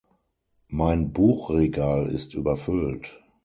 Mein Buchregal ist überfüllt.